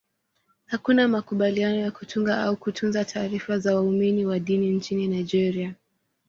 Hakuna makubaliano ya kutunga au kutunza taarifa za waumini wa dini nchini Nigeria.